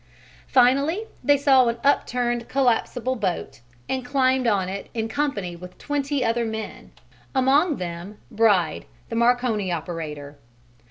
Finally they saw an upturned collapsible boat and climbed on it in company with twenty other men, among them Bride the Marconi operator.